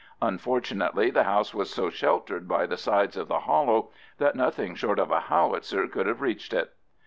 Unfortunately the house was so sheltered by the sides of the hollow that nothing short of a howitzer could have reached it.